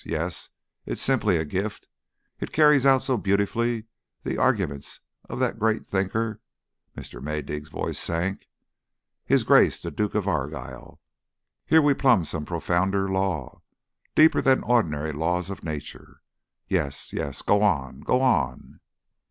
Yes, it is simply a gift! It carries out so beautifully the arguments of that great thinker" Mr. Maydig's voice sank "his Grace the Duke of Argyll. Here we plumb some profounder law deeper than the ordinary laws of nature. Yes yes. Go on. Go on!"